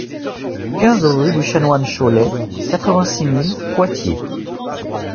quinze rue du Chanoine Chollet, quatre-vingt-six mille Poitiers